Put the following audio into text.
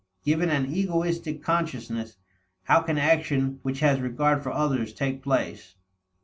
Given an egoistic consciousness, how can action which has regard for others take place?